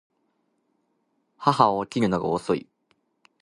母は起きるのが遅い